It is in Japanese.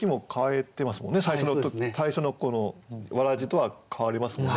最初のわらじとは変わりますもんね。